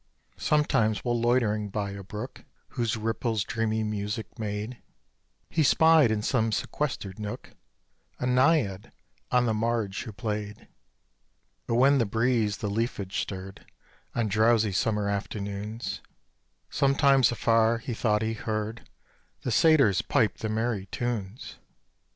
Sometimes while loitering by a brook, Whose ripples dreamy music made, He spied in some sequestered nook A naiad, on the marge who played, Or when the breeze the leafage stirred On drowsy summer afternoons, Sometimes afar he thought he heard The satyrs pipe their merry tunes.